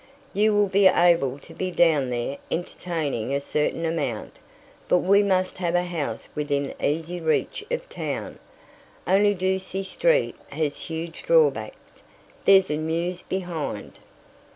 You will be able to be down there entertaining a certain amount, but we must have a house within easy reach of Town. Only Ducie Street has huge drawbacks. There's a mews behind."